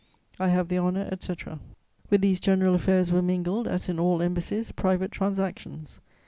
"I have the honour, etc." With these general affairs were mingled, as in all embassies, private transactions.